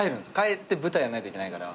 舞台やんないといけないから。